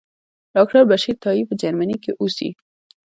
ډاکټر بشیر تائي په جرمني کې اوسي.